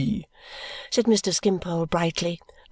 said Mr. Skimpole, brightly.